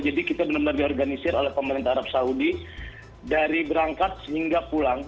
jadi kita benar benar diorganisir oleh pemerintah arab saudi dari berangkat sehingga pulang